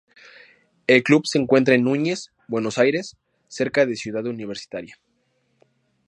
El club se encuentra en Núñez, Buenos Aires, cerca de Ciudad Universitaria.